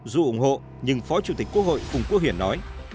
dù ủng hộ nhưng phó chủ tịch quốc hội phùng quốc hiển nói